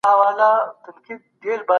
ځوانان له مبايل سره بلد دي.